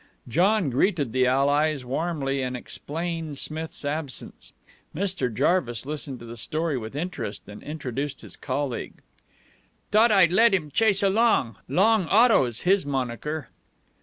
John greeted the allies warmly, and explained Smith's absence. Mr. Jarvis listened to the story with interest, and introduced his colleague. "T'ought I'd let him chase along. Long Otto's his monaker."